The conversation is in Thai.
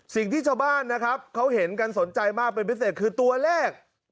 สิ่งที่ชาวบ้านนะครับเขาเห็นกันสนใจมากเป็นพิเศษคือตัวเลข